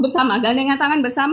bersama ganyan tangan bersama